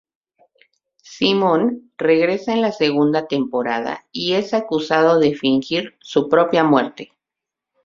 Simon regresa en la segunda temporada y es acusado de fingir su propia muerte.